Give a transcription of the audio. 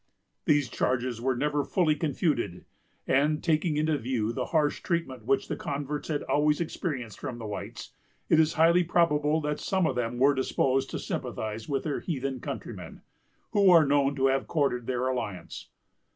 These charges were never fully confuted; and, taking into view the harsh treatment which the converts had always experienced from the whites, it is highly probable that some of them were disposed to sympathize with their heathen countrymen, who are known to have courted their alliance.